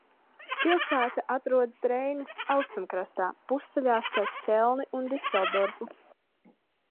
Pilsēta atrodas Reinas austrumkrastā, pusceļā starp Ķelni un Diseldorfu.